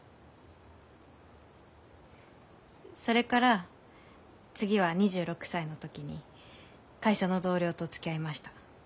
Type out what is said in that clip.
それから次は２６歳の時に会社の同僚とつきあいました。